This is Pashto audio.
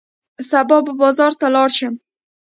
سبا به بازار ته لاړ شم.